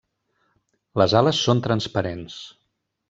Les ales són transparents.